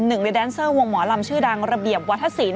หนึ่งในแดนเซอร์วงหมอลำชื่อดังระเบียบวัฒนศิลป